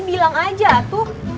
bilang aja tuh